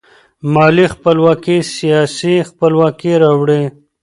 مالي خپلواکي سیاسي خپلواکي راوړي.